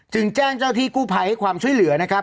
แจ้งเจ้าที่กู้ภัยให้ความช่วยเหลือนะครับ